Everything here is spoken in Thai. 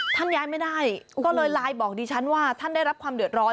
ท่านย้ายไม่ได้ก็เลยไลน์บอกดิฉันว่าท่านได้รับความเดือดร้อน